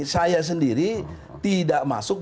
saya sendiri tidak masuk